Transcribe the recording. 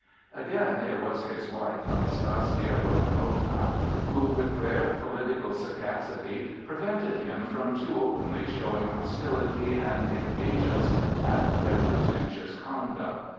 Again it was his wife, Anastasia Romanowna, who with rare political sagacity prevented him from too openly showing hostility and impatience at their pretentious conduct.